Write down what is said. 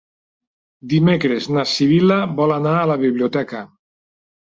Dimecres na Sibil·la vol anar a la biblioteca.